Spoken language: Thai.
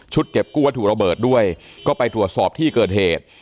เก็บกู้วัตถุระเบิดด้วยก็ไปตรวจสอบที่เกิดเหตุ